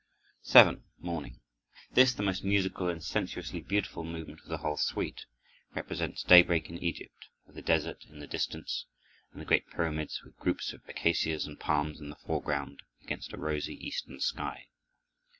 7. Morning This, the most musical and sensuously beautiful movement of the whole suite, represents daybreak in Egypt, with the desert in the distance and the great pyramids, with groups of acacias and palms in the foreground, against a rosy eastern sky.